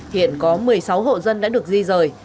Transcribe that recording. hiện có một mươi sáu hộ dân đã được di rời